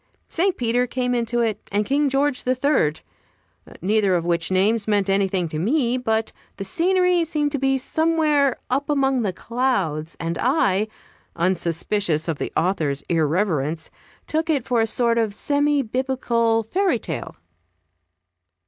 St. Peter came into it, and King George the Third; neither of which names meant anything to me; but the scenery seemed to be somewhere up among the clouds, and I, unsuspicious of the author's irreverence, took it for a sort of semi Biblical fairy tale.